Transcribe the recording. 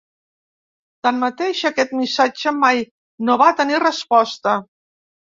Tanmateix, aquest missatge mai no va tenir resposta.